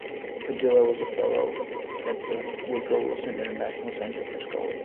Padilla was a Fellow at the Woodrow Wilson International Center for Scholars.